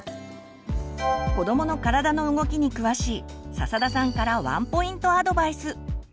子どもの体の動きに詳しい笹田さんからワンポイントアドバイス。